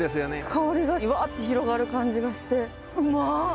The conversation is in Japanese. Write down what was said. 香りがジワッて広がる感じがしてうま！